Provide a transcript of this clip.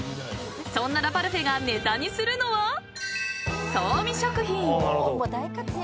［そんなラパルフェがネタにするのは創味食品］